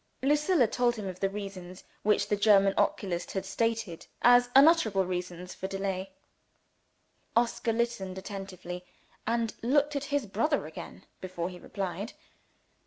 Lucilla told him of the reasons which the German oculist had stated as unanswerable reasons for delay. Oscar listened attentively, and looked at his brother again, before he replied.